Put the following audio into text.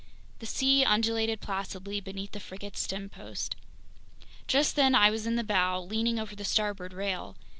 The sea undulated placidly beneath the frigate's stempost. Just then I was in the bow, leaning over the starboard rail.